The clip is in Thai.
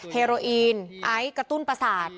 เฮโรอีนไอซ์กระตุ้นประสาท